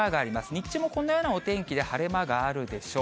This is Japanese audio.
日中もこんなようなお天気で晴れ間があるでしょう。